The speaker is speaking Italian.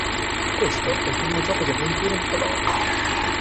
Questo è il primo gioco di avventura in Polonia.